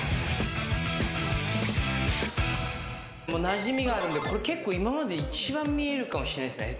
なじみがあるんでこれ結構今までで一番見えるかもしれないですね。